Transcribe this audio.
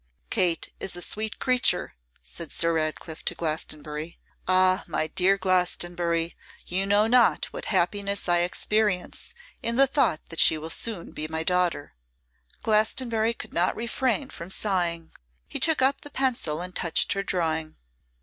'Kate is a sweet creature,' said Sir Ratcliffe to Glastonbury. 'Ah! my dear Glastonbury, you know not what happiness I experience in the thought that she will soon be my daughter.' Glastonbury could not refrain from sighing. He took up the pencil and touched her drawing.